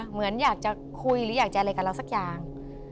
เหมือนอยากจะคุยหรืออยากจะอะไรกับเราสักอย่าง